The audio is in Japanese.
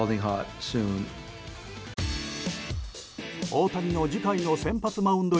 大谷の次回の先発マウンド